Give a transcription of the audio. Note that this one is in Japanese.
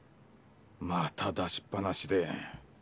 また出しっぱなしで。